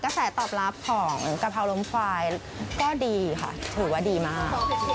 แสตอบรับของกะเพราล้มควายก็ดีค่ะถือว่าดีมาก